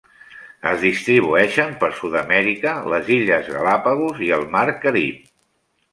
Es distribueixen per Sud-amèrica, les illes Galápagos i el mar Carib.